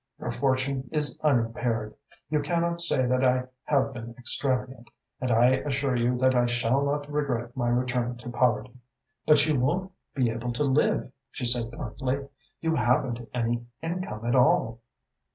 Your fortune is unimpaired you cannot say that I have been extravagant and I assure you that I shall not regret my return to poverty." "But you won't be able to live," she said bluntly. "You haven't any income at all."